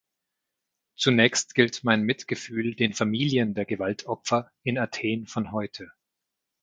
Zunächst gilt mein Mitgefühl den Familien der Gewaltopfer in Athen von heute.